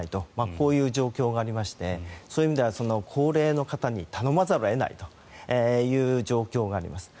こういう状況がありましてそういう意味では高齢の方に頼まざるを得ないという状況があります。